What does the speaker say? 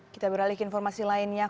kita beralih ke informasi lainnya